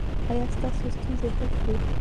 ایا ستاسو ستونزې حل شوې؟